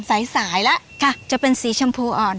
สายแล้วจะเป็นสีชมพูอ่อน